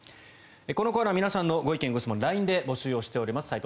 このコーナー皆さんのご意見・ご質問をＬＩＮＥで募集しています。